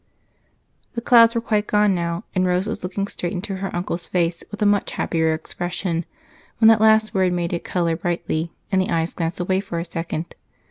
The clouds were quite gone now, and Rose was looking straight into her uncle's face with a much happier expression when that last word made it color brightly and the eyes glance away for a second.